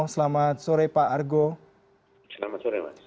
selamat sore mas